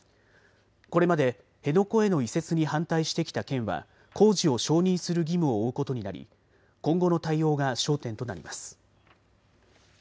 これまで辺野古への移設に反対してきた県は工事を承認する義務を負うことになり今後の対応が焦点となります。